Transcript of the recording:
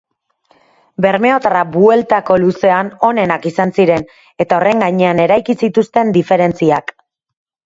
Bermeotarrak bueltako luzean onenak izan ziren eta horren gainean eraiki zituzten diferentziak.